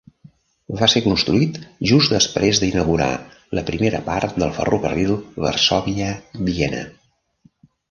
Va ser construït just després d'inaugurar la primera part del ferrocarril Varsòvia-Viena.